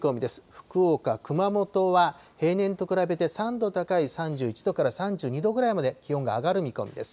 福岡、熊本は平年と比べて３度高い３１度から３２度ぐらいまで気温が上がる見込みです。